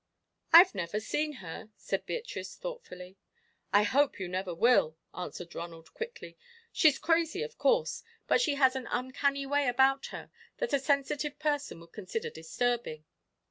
"I've never seen her," said Beatrice, thoughtfully. "I hope you never will," answered Ronald, quickly. "She's crazy, of course; but she has an uncanny way about her that a sensitive person would consider disturbing.